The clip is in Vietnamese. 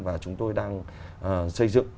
và chúng tôi đang xây dựng